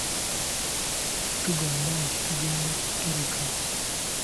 Tugamba nti tugenda kutereka.